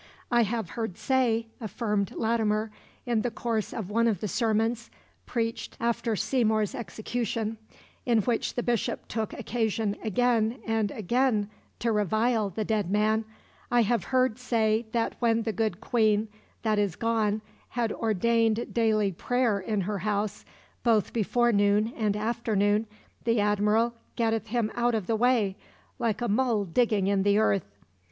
"I have heard say," affirmed Latimer, in the course of one of the sermons, preached after Seymour's execution, in which the Bishop took occasion again and again to revile the dead man, "I have heard say that when the good Queen that is gone had ordained daily prayer in her house, both before noon and after noon, the Admiral getteth him out of the way, like a mole digging in the earth.